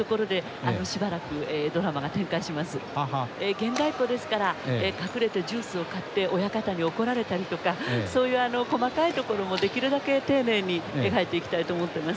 現代っ子ですから隠れてジュースを買って親方に怒られたりとかそういう細かいところもできるだけ丁寧に描いていきたいと思ってます。